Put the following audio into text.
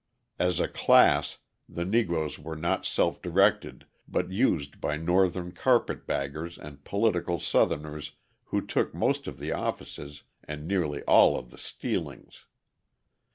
As a class, the Negroes were not self directed but used by Northern carpetbaggers and political Southerners who took most of the offices and nearly all of the stealings.